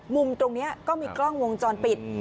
มุมตรงนี้ก็มีกล้องวงจรปิด